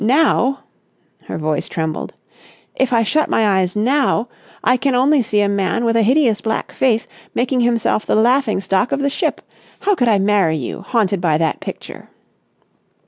Now—" her voice trembled "—if I shut my eyes now, I can only see a man with a hideous black face making himself the laughing stock of the ship. How could I marry you, haunted by that picture?"